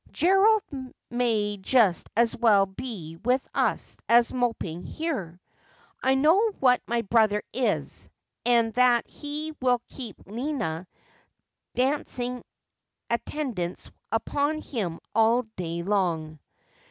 ' Gerald may just as well be with us as moping here. I know what my brother is, and that he will keep Lina dancing attendance upon him all day long.'